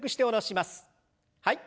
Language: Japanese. はい。